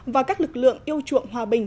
và các lực lượng yêu chuộng hòa bình